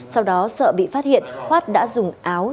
sau đó sợ bị phát hiện khoát đã dùng áo